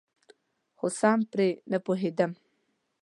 خو سم پرې نپوهیدم.